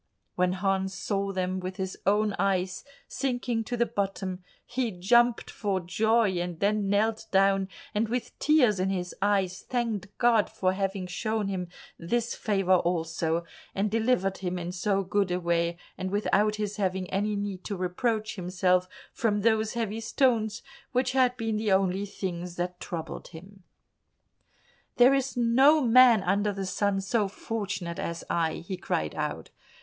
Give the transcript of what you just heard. When Hans saw them with his own eyes sinking to the bottom, he jumped for joy, and then knelt down, and with tears in his eyes thanked God for having shown him this favour also, and delivered him in so good a way, and without his having any need to reproach himself, from those heavy stones which had been the only things that troubled him. "There is no man under the sun so fortunate as I," he cried out.